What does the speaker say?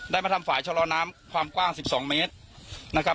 มาทำฝ่ายชะลอน้ำความกว้าง๑๒เมตรนะครับ